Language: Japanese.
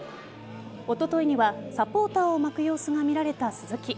おとといにはサポーターを巻く様子が見られた鈴木。